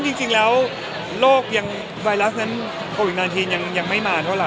พีทพวกเราทั้งนั้นอย่าลืมนะ